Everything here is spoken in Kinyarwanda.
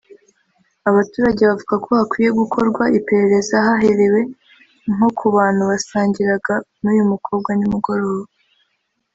Abaturage bavuga ko hakwiye gukorwa iperereza haherewe nko ku bantu basangiraga n’uyu mukobwa nimugoroba